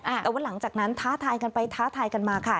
แต่ว่าหลังจากนั้นท้าทายกันไปท้าทายกันมาค่ะ